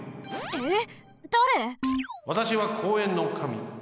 えっ！？